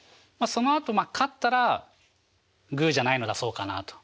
そのあと勝ったらグーじゃないの出そうかなと。